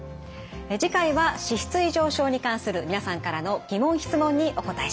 次回は「脂質異常症」に関する皆さんからの疑問質問にお答えします。